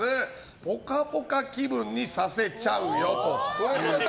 ぽかぽか気分にさせちゃうよということで。